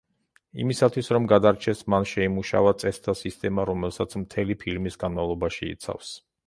იმისათვის, რომ გადარჩეს მან შეიმუშავა წესთა სისტემა რომელსაც მთელი ფილმის განმავლობაში იცავს.